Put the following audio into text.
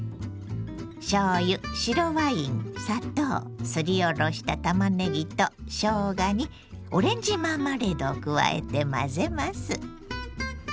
しょうゆ白ワイン砂糖すりおろしたたまねぎとしょうがにオレンジマーマレードを加えて混ぜます。